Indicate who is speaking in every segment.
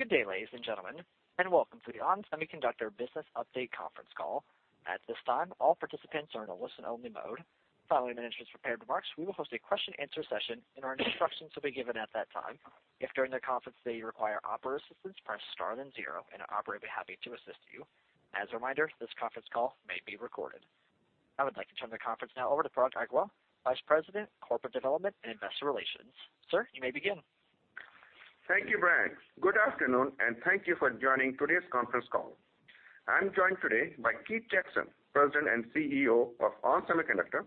Speaker 1: Good day, ladies and gentlemen, and welcome to the ON Semiconductor business update conference call. At this time, all participants are in a listen-only mode. Following management's prepared remarks, we will host a question answer session, and our instructions will be given at that time. If during the conference you require operator assistance, press star then zero, and an operator will be happy to assist you. As a reminder, this conference call may be recorded. I would like to turn the conference now over to Parag Agarwal, Vice President of Corporate Development and Investor Relations. Sir, you may begin.
Speaker 2: Thank you, Brian. Good afternoon, and thank you for joining today's conference call. I'm joined today by Keith Jackson, President and CEO of ON Semiconductor,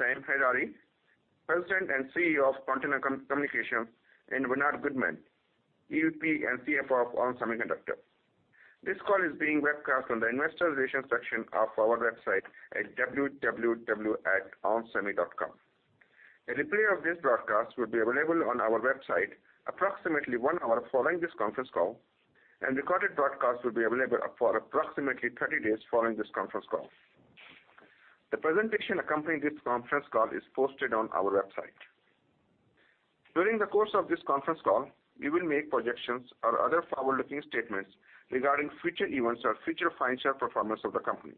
Speaker 2: Sam Heidari, President and CEO of Quantenna Communications, and Bernard Gutmann, EVP and CFO of ON Semiconductor. This call is being webcast on the investor relations section of our website at www.onsemi.com. A replay of this broadcast will be available on our website approximately one hour following this conference call, and recorded broadcast will be available for approximately 30 days following this conference call. The presentation accompanying this conference call is posted on our website. During the course of this conference call, we will make projections or other forward-looking statements regarding future events or future financial performance of the company.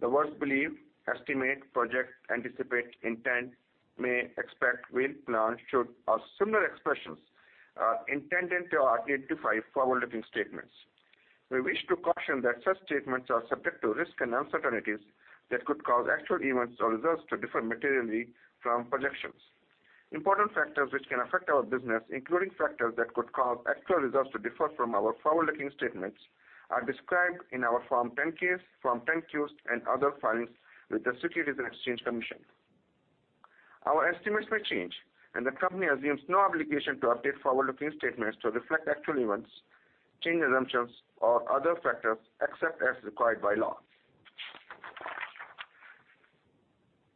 Speaker 2: The words believe, estimate, project, anticipate, intend, may, expect, will, plan, should, or similar expressions are intended to identify forward-looking statements. We wish to caution that such statements are subject to risks and uncertainties that could cause actual events or results to differ materially from projections. Important factors which can affect our business, including factors that could cause actual results to differ from our forward-looking statements, are described in our Form 10-Ks, Form 10-Qs, and other filings with the Securities and Exchange Commission. Our estimates may change, and the company assumes no obligation to update forward-looking statements to reflect actual events, changed assumptions, or other factors, except as required by law.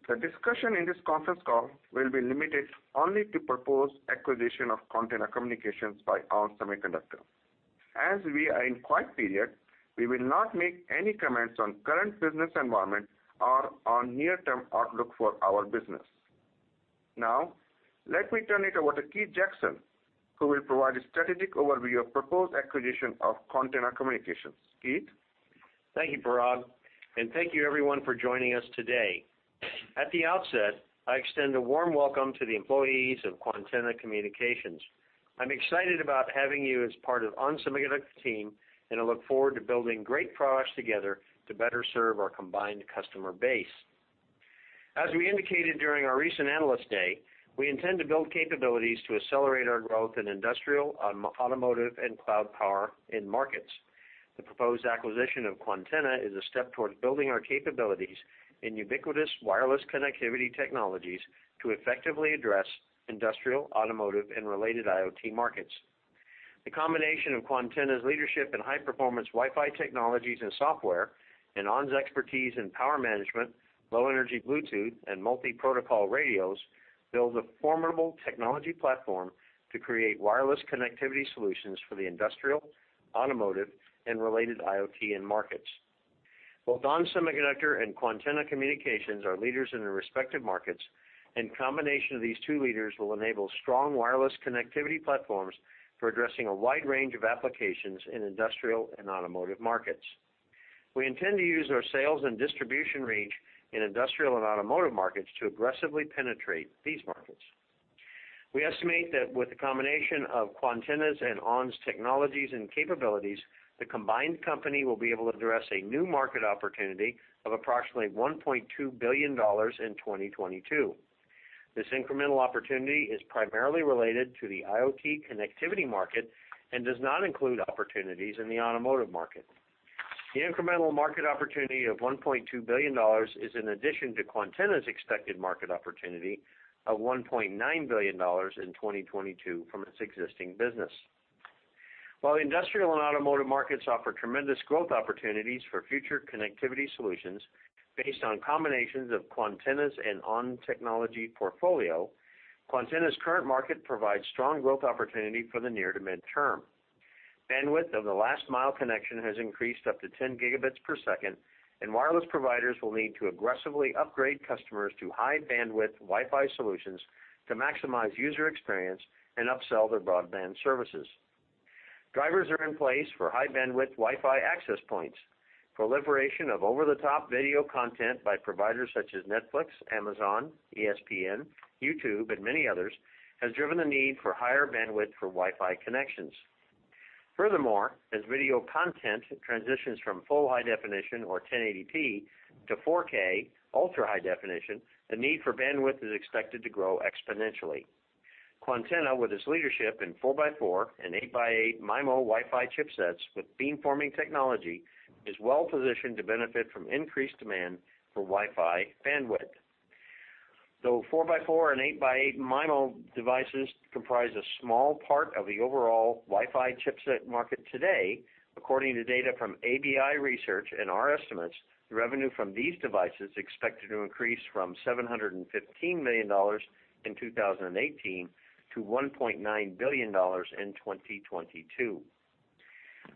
Speaker 2: The discussion in this conference call will be limited only to proposed acquisition of Quantenna Communications by ON Semiconductor. As we are in quiet period, we will not make any comments on current business environment or on near-term outlook for our business. Now, let me turn it over to Keith Jackson, who will provide a strategic overview of proposed acquisition of Quantenna Communications. Keith?
Speaker 3: Thank you, Parag, and thank you everyone for joining us today. At the outset, I extend a warm welcome to the employees of Quantenna Communications. I'm excited about having you as part of ON Semiconductor team, and I look forward to building great products together to better serve our combined customer base. As we indicated during our recent Analyst Day, we intend to build capabilities to accelerate our growth in industrial, automotive, and cloud power end markets. The proposed acquisition of Quantenna is a step towards building our capabilities in ubiquitous wireless connectivity technologies to effectively address industrial, automotive, and related IoT markets. The combination of Quantenna's leadership in high-performance Wi-Fi technologies and software and ON's expertise in power management, low-energy Bluetooth, and multi-protocol radios builds a formidable technology platform to create wireless connectivity solutions for the industrial, automotive, and related IoT end markets. Both ON Semiconductor and Quantenna Communications are leaders in their respective markets, combination of these two leaders will enable strong wireless connectivity platforms for addressing a wide range of applications in industrial and automotive markets. We intend to use our sales and distribution reach in industrial and automotive markets to aggressively penetrate these markets. We estimate that with the combination of Quantenna's and ON's technologies and capabilities, the combined company will be able to address a new market opportunity of approximately $1.2 billion in 2022. This incremental opportunity is primarily related to the IoT connectivity market and does not include opportunities in the automotive market. The incremental market opportunity of $1.2 billion is in addition to Quantenna's expected market opportunity of $1.9 billion in 2022 from its existing business. While industrial and automotive markets offer tremendous growth opportunities for future connectivity solutions based on combinations of Quantenna's and ON technology portfolio, Quantenna's current market provides strong growth opportunity for the near to mid-term. Bandwidth of the last mile connection has increased up to 10 gigabits per second, wireless providers will need to aggressively upgrade customers to high bandwidth Wi-Fi solutions to maximize user experience and upsell their broadband services. Drivers are in place for high bandwidth Wi-Fi access points. Proliferation of over-the-top video content by providers such as Netflix, Amazon, ESPN, YouTube, and many others has driven the need for higher bandwidth for Wi-Fi connections. Furthermore, as video content transitions from full high definition or 1080p to 4K ultra-high definition, the need for bandwidth is expected to grow exponentially. Quantenna, with its leadership in 4x4 and 8x8 MIMO Wi-Fi chipsets with beamforming technology, is well positioned to benefit from increased demand for Wi-Fi bandwidth. Though 4x4 and 8x8 MIMO devices comprise a small part of the overall Wi-Fi chipset market today, according to data from ABI Research and our estimates, the revenue from these devices is expected to increase from $715 million in 2018 to $1.9 billion in 2022.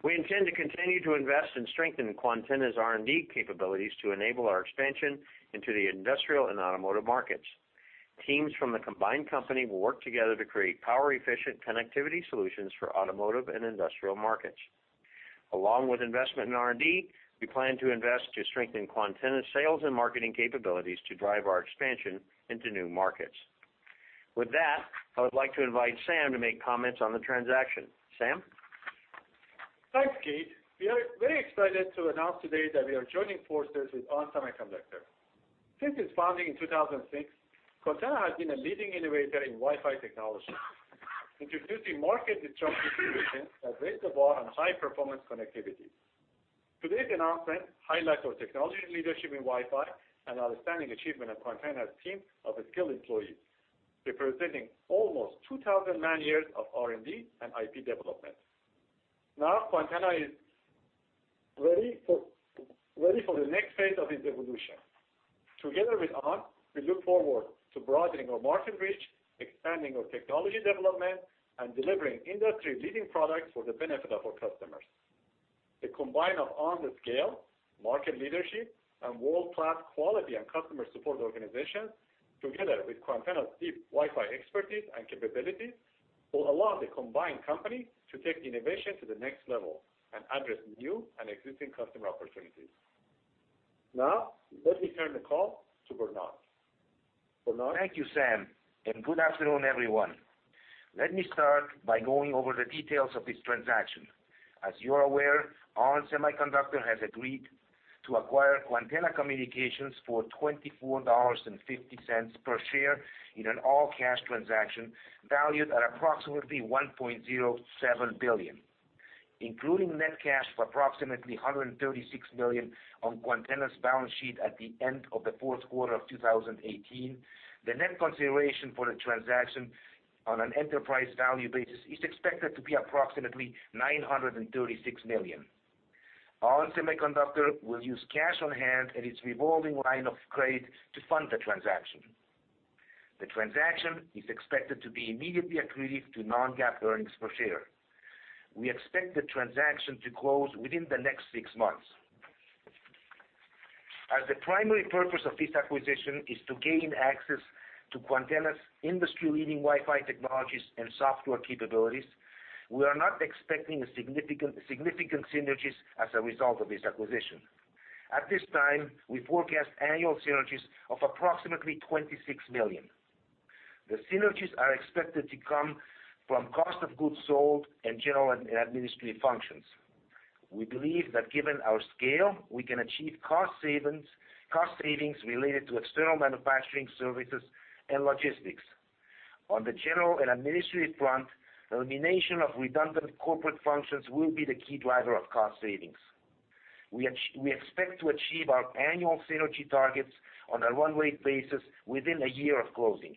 Speaker 3: We intend to continue to invest and strengthen Quantenna's R&D capabilities to enable our expansion into the industrial and automotive markets. Teams from the combined company will work together to create power-efficient connectivity solutions for automotive and industrial markets. Along with investment in R&D, we plan to invest to strengthen Quantenna's sales and marketing capabilities to drive our expansion into new markets. With that, I would like to invite Sam to make comments on the transaction. Sam?
Speaker 4: Thanks, Keith. We are very excited to announce today that we are joining forces with ON Semiconductor. Since its founding in 2006, Quantenna has been a leading innovator in Wi-Fi technology, introducing market-disrupting solutions that raised the bar on high-performance connectivity. Today's announcement highlights our technology leadership in Wi-Fi and outstanding achievement of Quantenna's team of skilled employees, representing almost 2,000 man-years of R&D and IP development. Quantenna is ready for the next phase of its evolution. Together with ON, we look forward to broadening our market reach, expanding our technology development, and delivering industry-leading products for the benefit of our customers. The combine of ON's scale, market leadership, and world-class quality and customer support organization, together with Quantenna's deep Wi-Fi expertise and capabilities, will allow the combined company to take the innovation to the next level and address new and existing customer opportunities. Let me turn the call to Bernard. Bernard?
Speaker 5: Thank you, Sam, good afternoon, everyone. Let me start by going over the details of this transaction. As you are aware, ON Semiconductor has agreed to acquire Quantenna Communications for $24.50 per share in an all-cash transaction valued at approximately $1.07 billion. Including net cash of approximately $136 million on Quantenna's balance sheet at the end of the fourth quarter of 2018, the net consideration for the transaction on an enterprise value basis is expected to be approximately $936 million. ON Semiconductor will use cash on hand and its revolving line of credit to fund the transaction. The transaction is expected to be immediately accretive to non-GAAP earnings per share. We expect the transaction to close within the next six months. The primary purpose of this acquisition is to gain access to Quantenna's industry-leading Wi-Fi technologies and software capabilities, we are not expecting significant synergies as a result of this acquisition. At this time, we forecast annual synergies of approximately $26 million. The synergies are expected to come from cost of goods sold and general and administrative functions. We believe that given our scale, we can achieve cost savings related to external manufacturing services and logistics. On the general and administrative front, the elimination of redundant corporate functions will be the key driver of cost savings. We expect to achieve our annual synergy targets on a run-rate basis within a year of closing.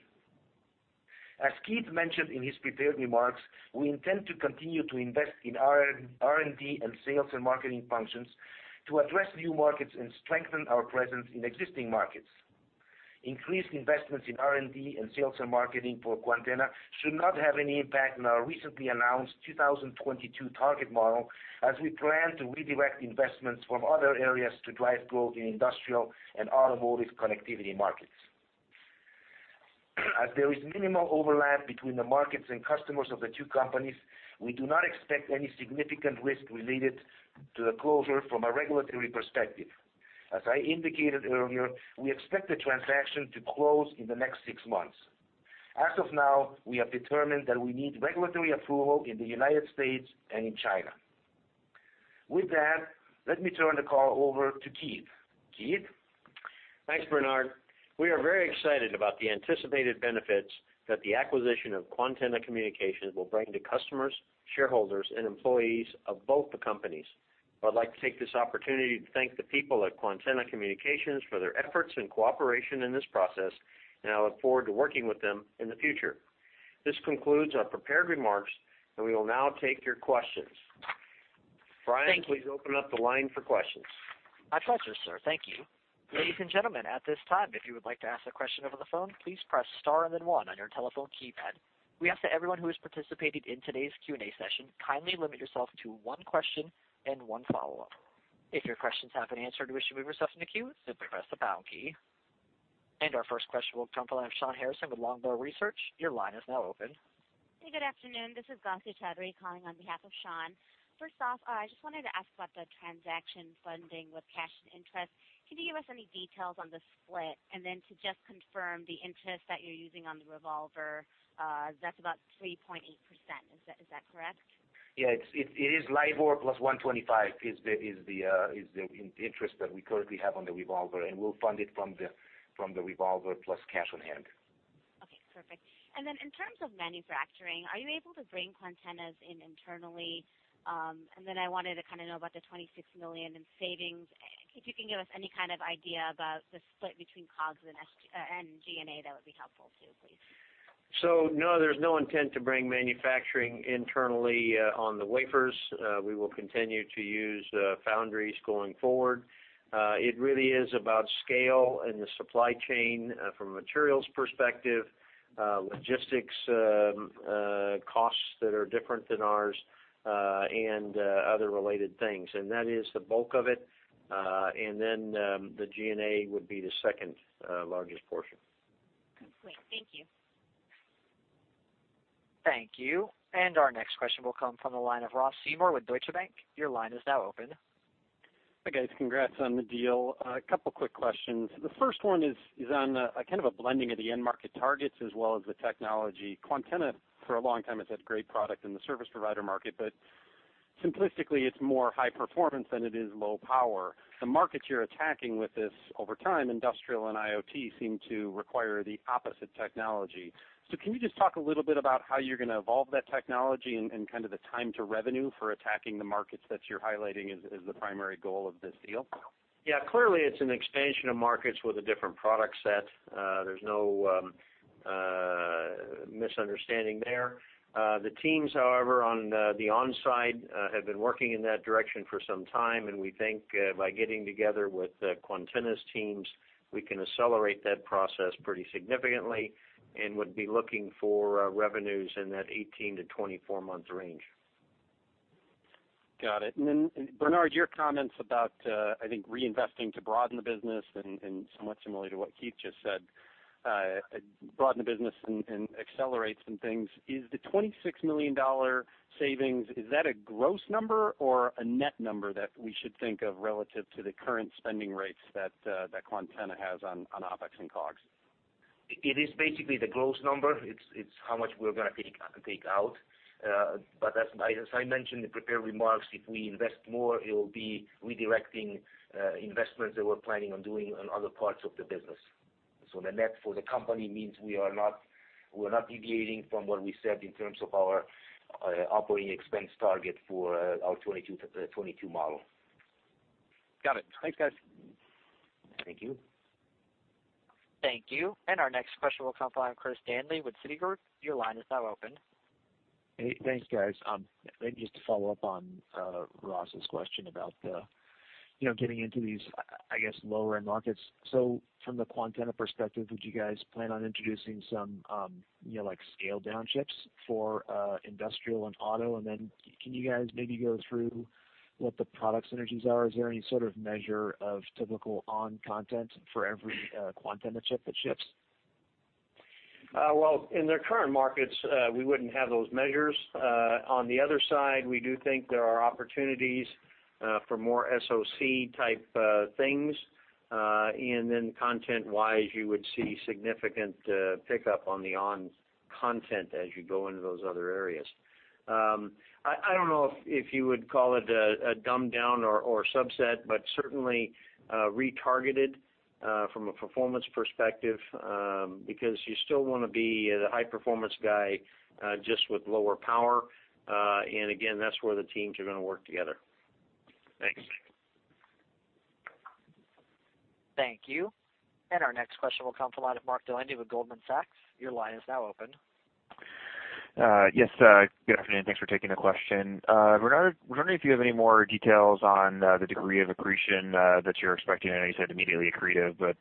Speaker 5: As Keith mentioned in his prepared remarks, we intend to continue to invest in R&D and sales and marketing functions to address new markets and strengthen our presence in existing markets. Increased investments in R&D and sales and marketing for Quantenna should not have any impact on our recently announced 2022 target model as we plan to redirect investments from other areas to drive growth in industrial and automotive connectivity markets. As there is minimal overlap between the markets and customers of the two companies, we do not expect any significant risk related to the closure from a regulatory perspective. As I indicated earlier, we expect the transaction to close in the next six months. As of now, we have determined that we need regulatory approval in the United States and in China. With that, let me turn the call over to Keith. Keith? Thanks, Bernard. We are very excited about the anticipated benefits that the acquisition of Quantenna Communications will bring to customers, shareholders, and employees of both the companies. I'd like to take this opportunity to thank the people at Quantenna Communications for their efforts and cooperation in this process, and I look forward to working with them in the future. This concludes our prepared remarks, and we will now take your questions.
Speaker 2: Brian, please open up the line for questions.
Speaker 1: My pleasure, sir. Thank you. Ladies and gentlemen, at this time, if you would like to ask a question over the phone, please press star and then one on your telephone keypad. We ask that everyone who is participating in today's Q&A session kindly limit yourself to one question and one follow-up. If your question's happened to answer or you wish to remove yourself from the queue, simply press the pound key. Our first question will come from Shawn Harrison with Longbow Research. Your line is now open.
Speaker 6: Hey, good afternoon. This is Gausia Chowdhury calling on behalf of Shawn. First off, I just wanted to ask about the transaction funding with cash and interest. Can you give us any details on the split? To just confirm the interest that you're using on the revolver, that's about 3.8%. Is that correct?
Speaker 5: Yeah. It is LIBOR plus 125, is the interest that we currently have on the revolver. We'll fund it from the revolver plus cash on hand.
Speaker 6: Okay, perfect. In terms of manufacturing, are you able to bring Quantenna's in internally? I wanted to kind of know about the $26 million in savings. If you can give us any kind of idea about the split between COGS and G&A, that would be helpful too, please.
Speaker 3: No, there's no intent to bring manufacturing internally on the wafers. We will continue to use foundries going forward. It really is about scale and the supply chain from a materials perspective, logistics costs that are different than ours, and other related things. That is the bulk of it. The G&A would be the second largest portion.
Speaker 6: Great. Thank you.
Speaker 1: Thank you. Our next question will come from the line of Ross Seymore with Deutsche Bank. Your line is now open.
Speaker 7: Hi, guys. Congrats on the deal. A couple quick questions. The first one is on a kind of a blending of the end market targets as well as the technology. Quantenna, for a long time, has had great product in the service provider market, but simplistically, it's more high performance than it is low power. The markets you're attacking with this over time, industrial and IoT, seem to require the opposite technology. Can you just talk a little bit about how you're going to evolve that technology and the time to revenue for attacking the markets that you're highlighting as the primary goal of this deal?
Speaker 3: Yeah. Clearly, it's an expansion of markets with a different product set. There's no misunderstanding there. The teams, however, on the ON side, have been working in that direction for some time, and we think by getting together with Quantenna's teams, we can accelerate that process pretty significantly and would be looking for revenues in that 18 to 24-month range.
Speaker 7: Got it. Bernard, your comments about, I think, reinvesting to broaden the business and somewhat similarly to what Keith just said, broaden the business and accelerate some things. Is the $26 million savings, is that a gross number or a net number that we should think of relative to the current spending rates that Quantenna has on OpEx and COGS?
Speaker 5: It is basically the gross number. It's how much we're going to take out. As I mentioned in the prepared remarks, if we invest more, it will be redirecting investments that we're planning on doing on other parts of the business. The net for the company means we're not deviating from what we said in terms of our operating expense target for our 2022 model.
Speaker 7: Got it. Thanks, guys.
Speaker 5: Thank you.
Speaker 1: Thank you. Our next question will come from Chris Danley with Citigroup. Your line is now open.
Speaker 8: Hey, thanks, guys. Just to follow up on Ross's question about getting into these, I guess, lower-end markets. From the Quantenna perspective, would you guys plan on introducing some scaled-down chips for industrial and auto? Then can you guys maybe go through what the product synergies are? Is there any sort of measure of typical ON content for every Quantenna chip that ships?
Speaker 3: Well, in their current markets, we wouldn't have those measures. On the other side, we do think there are opportunities for more SoC type things. Then content-wise, you would see significant pickup on the ON content as you go into those other areas. I don't know if you would call it a dumbed-down or subset, but certainly retargeted from a performance perspective, because you still want to be the high-performance guy just with lower power. Again, that's where the teams are going to work together.
Speaker 8: Thanks.
Speaker 1: Thank you. Our next question will come from the line of Mark Delaney with Goldman Sachs. Your line is now open.
Speaker 9: Yes. Good afternoon. Thanks for taking the question. Bernard, wondering if you have any more details on the degree of accretion that you're expecting. I know you said immediately accretive, but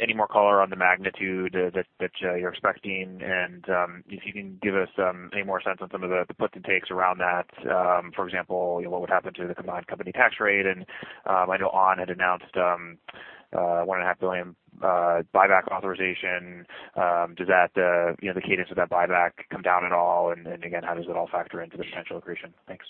Speaker 9: any more color on the magnitude that you're expecting? If you can give us any more sense on some of the puts and takes around that, for example, what would happen to the combined company tax rate? I know ON had announced $1.5 billion buyback authorization. Does the cadence of that buyback come down at all? Again, how does it all factor into the potential accretion? Thanks.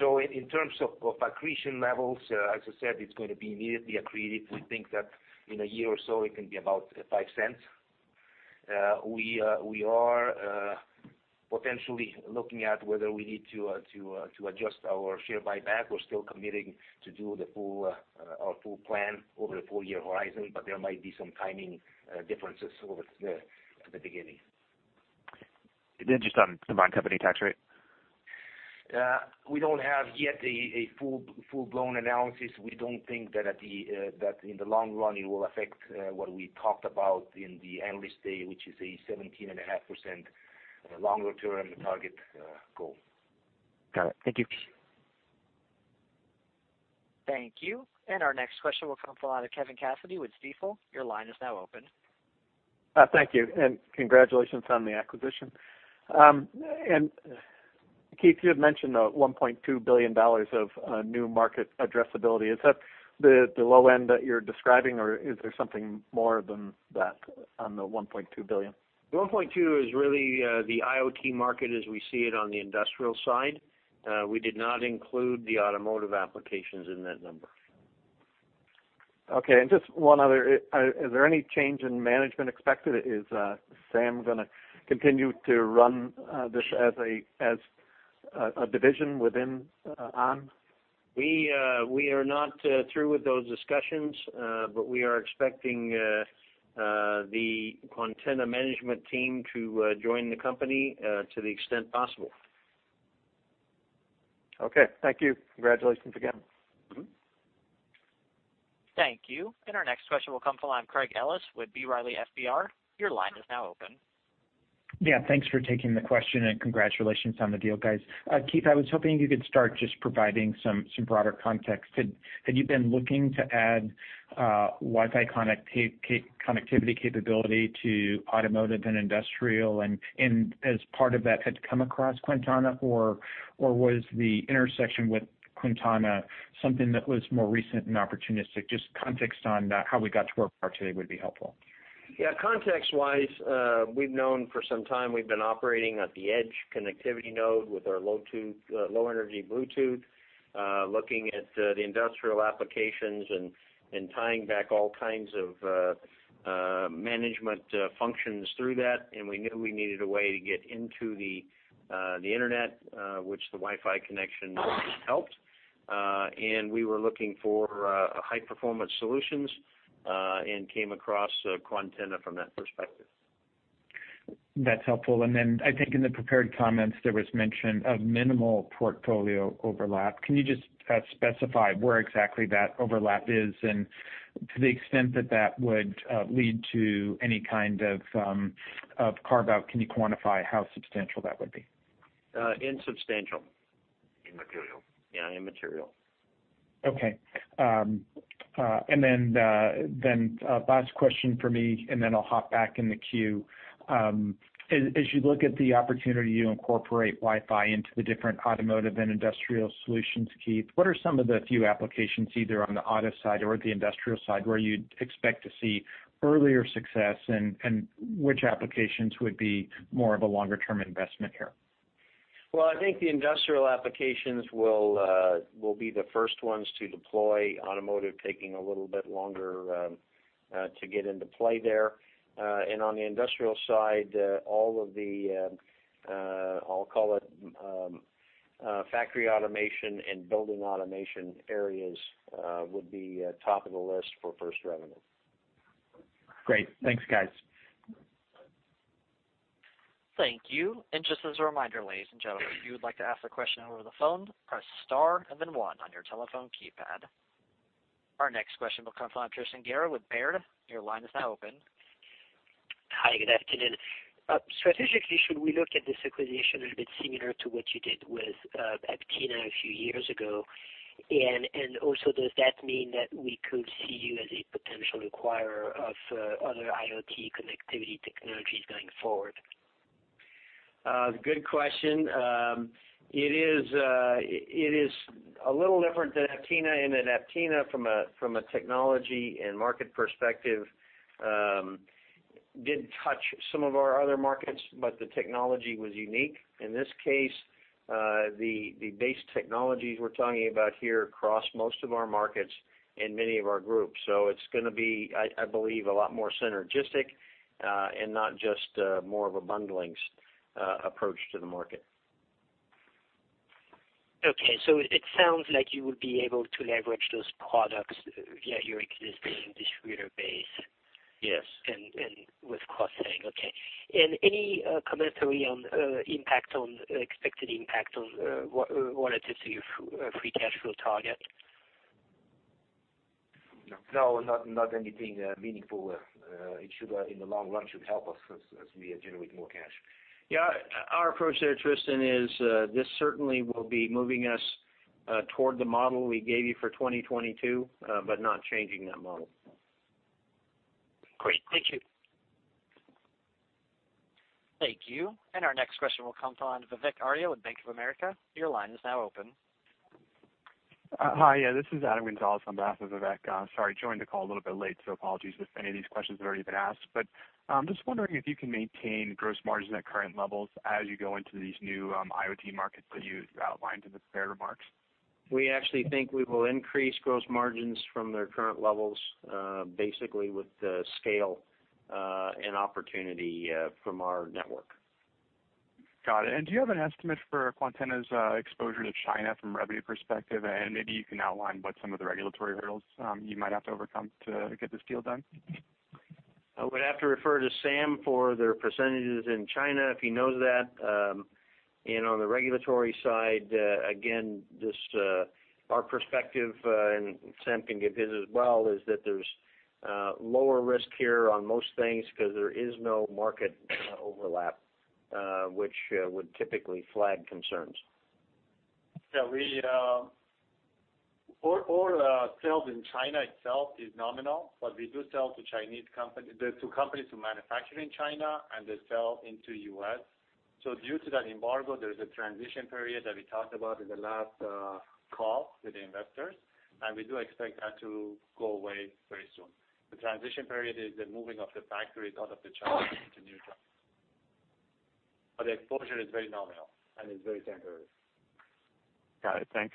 Speaker 5: In terms of accretion levels, as I said, it's going to be immediately accretive. We think that in a year or so, it can be about $0.05. We are potentially looking at whether we need to adjust our share buyback. We're still committing to do our full plan over the full-year horizon, but there might be some timing differences at the beginning.
Speaker 9: Just on combined company tax rate.
Speaker 5: We don't have yet a full-blown analysis. We don't think that in the long run, it will affect what we talked about in the Analyst Day, which is a 17.5% longer-term target goal.
Speaker 9: Got it. Thank you.
Speaker 1: Thank you. Our next question will come from the line of Kevin Cassidy with Stifel. Your line is now open.
Speaker 10: Thank you, congratulations on the acquisition. Keith, you had mentioned the $1.2 billion of new market addressability. Is that the low end that you're describing, or is there something more than that on the $1.2 billion?
Speaker 3: The 1.2 is really the IoT market as we see it on the industrial side. We did not include the automotive applications in that number.
Speaker 10: Okay, just one other. Is there any change in management expected? Is Sam going to continue to run this as a division within ON?
Speaker 3: We are not through with those discussions, we are expecting the Quantenna management team to join the company to the extent possible. Okay. Thank you. Congratulations again.
Speaker 1: Thank you. Our next question will come from Craig Ellis with B. Riley FBR. Your line is now open.
Speaker 11: Yeah. Thanks for taking the question, congratulations on the deal, guys. Keith, I was hoping you could start just providing some broader context. Had you been looking to add Wi-Fi connectivity capability to automotive and industrial, as part of that, had come across Quantenna, was the intersection with Quantenna something that was more recent and opportunistic? Just context on how we got to where we are today would be helpful.
Speaker 3: Yeah. Context-wise, we've known for some time, we've been operating at the edge connectivity node with our low energy Bluetooth, looking at the industrial applications and tying back all kinds of management functions through that. We knew we needed a way to get into the internet, which the Wi-Fi connection helped. We were looking for high-performance solutions, and came across Quantenna from that perspective.
Speaker 11: That's helpful. I think in the prepared comments, there was mention of minimal portfolio overlap. Can you just specify where exactly that overlap is? To the extent that that would lead to any kind of carve-out, can you quantify how substantial that would be?
Speaker 3: Insubstantial.
Speaker 4: Immaterial.
Speaker 3: Yeah. Immaterial.
Speaker 11: Okay. Last question from me, and then I'll hop back in the queue. As you look at the opportunity to incorporate Wi-Fi into the different automotive and industrial solutions, Keith, what are some of the few applications, either on the auto side or the industrial side, where you'd expect to see earlier success, and which applications would be more of a longer-term investment here?
Speaker 3: I think the industrial applications will be the first ones to deploy, automotive taking a little bit longer to get into play there. On the industrial side, all of the, I'll call it, factory automation and building automation areas would be top of the list for first revenue.
Speaker 11: Great. Thanks, guys.
Speaker 1: Thank you. Just as a reminder, ladies and gentlemen, if you would like to ask a question over the phone, press star and then one on your telephone keypad. Our next question will come from Tristan Gerra with Baird. Your line is now open.
Speaker 12: Hi, good afternoon. Strategically, should we look at this acquisition a little bit similar to what you did with Aptina a few years ago? Also, does that mean that we could see you as a potential acquirer of other IoT connectivity technologies going forward?
Speaker 3: Good question. It is a little different than Aptina in that Aptina, from a technology and market perspective, did touch some of our other markets, but the technology was unique. In this case, the base technologies we're talking about here cross most of our markets and many of our groups. It's going to be, I believe, a lot more synergistic, and not just more of a bundlings approach to the market.
Speaker 12: Okay, it sounds like you would be able to leverage those products via your existing distributor base.
Speaker 3: Yes
Speaker 12: With cross-selling. Okay. Any commentary on expected impact on relative to your free cash flow target?
Speaker 5: No, not anything meaningful. In the long run, it should help us as we generate more cash.
Speaker 3: Our approach there, Tristan, is this certainly will be moving us toward the model we gave you for 2022, not changing that model.
Speaker 12: Great. Thank you.
Speaker 1: Thank you. Our next question will come from Vivek Arya with Bank of America. Your line is now open.
Speaker 13: Hi, yeah. This is Adam Gonzalez on behalf of Vivek. Sorry, joined the call a little bit late, so apologies if any of these questions have already been asked. I'm just wondering if you can maintain gross margin at current levels as you go into these new IoT markets that you outlined in the prepared remarks.
Speaker 3: We actually think we will increase gross margins from their current levels, basically with the scale and opportunity from our network.
Speaker 13: Got it. Do you have an estimate for Quantenna's exposure to China from a revenue perspective? Maybe you can outline what some of the regulatory hurdles you might have to overcome to get this deal done.
Speaker 3: I would have to refer to Sam for their percentages in China, if he knows that. On the regulatory side, again, just our perspective, and Sam can give his as well, is that there's lower risk here on most things because there is no market overlap, which would typically flag concerns.
Speaker 4: Yeah. All the sales in China itself is nominal, but we do sell to companies who manufacture in China, and they sell into U.S. Due to that embargo, there is a transition period that we talked about in the last call with the investors, and we do expect that to go away very soon. The transition period is the moving of the factories out of China into neutral. The exposure is very nominal and is very temporary.
Speaker 13: Got it. Thanks.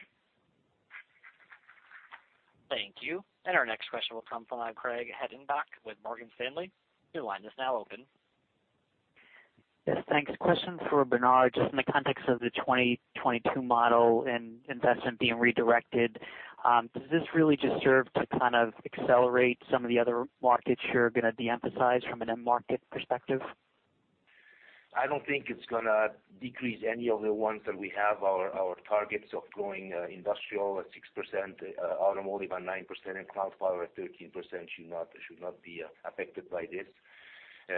Speaker 1: Thank you. Our next question will come from Craig Hettenbach with Morgan Stanley. Your line is now open.
Speaker 14: Yes, thanks. Question for Bernard, just in the context of the 2022 model and investment being redirected. Does this really just serve to kind of accelerate some of the other markets you're going to de-emphasize from an end market perspective?
Speaker 5: I don't think it's going to decrease any of the ones that we have our targets of growing industrial at 6%, automotive at 9%, and cloud power at 13% should not be affected by this.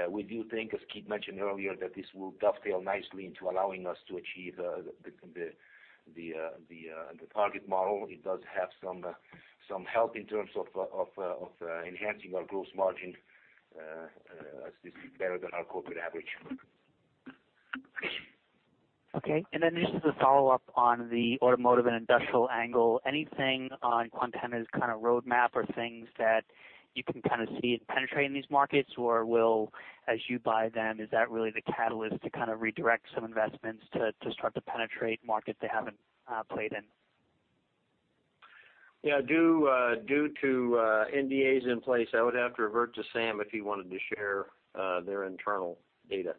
Speaker 5: We do think, as Keith mentioned earlier, that this will dovetail nicely into allowing us to achieve the target model. It does have some help in terms of enhancing our gross margin as this is better than our corporate average.
Speaker 14: Okay, just as a follow-up on the automotive and industrial angle, anything on Quantenna's kind of roadmap or things that you can kind of see it penetrating these markets? Or will, as you buy them, is that really the catalyst to kind of redirect some investments to start to penetrate markets they haven't played in?
Speaker 3: Due to NDAs in place, I would have to revert to Sam if he wanted to share their internal data.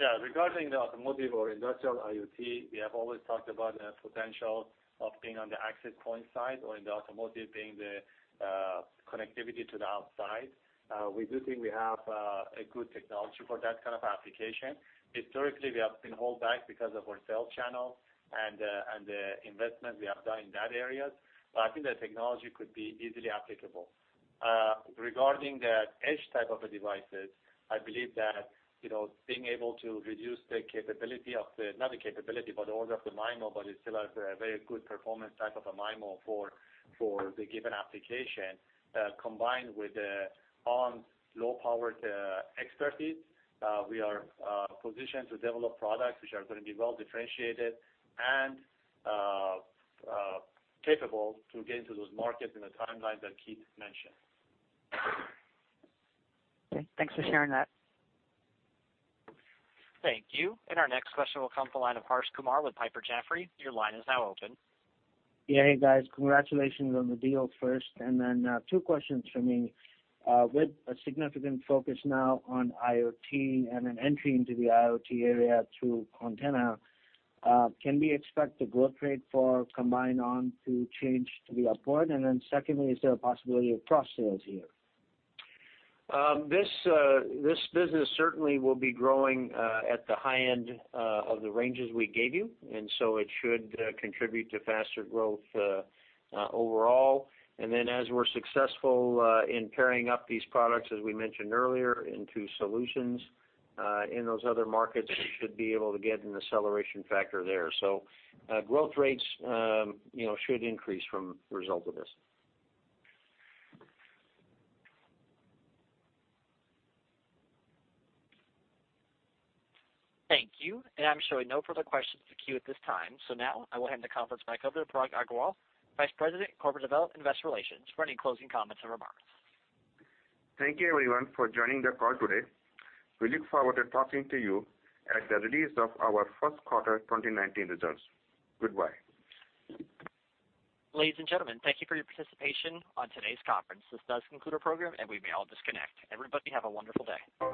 Speaker 4: Regarding the automotive or industrial IoT, we have always talked about the potential of being on the access point side or in the automotive being the connectivity to the outside. We do think we have a good technology for that kind of application. Historically, we have been held back because of our sales channel and the investment we have done in that area. I think the technology could be easily applicable. Regarding the edge type of devices, I believe that being able to reduce the capability of the, not the capability, but the order of the MIMO, but it still has a very good performance type of a MIMO for the given application, combined with ON's low power expertise we are positioned to develop products which are going to be well-differentiated and capable to get into those markets in the timeline that Keith mentioned.
Speaker 14: Okay, thanks for sharing that.
Speaker 1: Thank you. Our next question will come from the line of Harsh Kumar with Piper Jaffray. Your line is now open.
Speaker 15: Yeah. Hey, guys. Congratulations on the deal first. Two questions from me. With a significant focus now on IoT and an entry into the IoT area through Quantenna, can we expect the growth rate for combined ON to change to be upward? Secondly, is there a possibility of cross sales here?
Speaker 3: This business certainly will be growing at the high end of the ranges we gave you, and so it should contribute to faster growth overall. As we're successful in pairing up these products, as we mentioned earlier, into solutions in those other markets, we should be able to get an acceleration factor there. Growth rates should increase from the result of this.
Speaker 1: Thank you. I'm showing no further questions in the queue at this time. Now I will hand the conference back over to Parag Agarwal, Vice President, Corporate Development, Investor Relations, for any closing comments or remarks.
Speaker 2: Thank you everyone for joining the call today. We look forward to talking to you at the release of our first quarter 2019 results. Goodbye.
Speaker 1: Ladies and gentlemen, thank you for your participation on today's conference. This does conclude our program, and we may all disconnect. Everybody have a wonderful day.